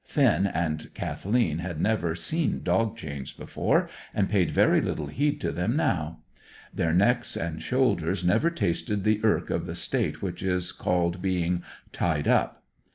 (Finn and Kathleen had never seen dog chains before, and paid very little heed to them now. Their necks and shoulders had never tasted the irk of the state which is called being "tied up.")